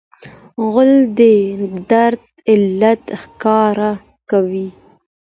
غول د درد علت ښکاره کوي.